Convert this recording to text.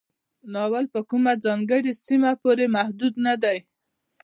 ناول په کومه ځانګړې سیمه پورې محدود نه دی.